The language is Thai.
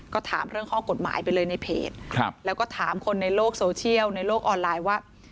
ก็ถามเรื่องข้อกฎหมายไปเลยในเพจแล้วก็ถามคนในโลกโซเชียลในโลกออนไลน์ว่า